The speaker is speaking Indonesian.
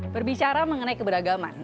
berbicara mengenai keberagaman